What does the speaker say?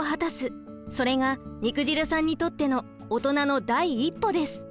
それが肉汁さんにとってのオトナの第一歩です。